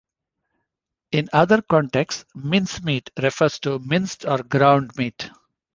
In other contexts "mincemeat" refers to minced or ground meat.